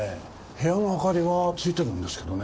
部屋の明かりはついてるんですけどね。